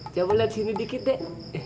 coba liat sini dikit deh